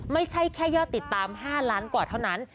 ไม่ใช่แค่ยอดติดตาม๕ล้านกว่าเท่านั้น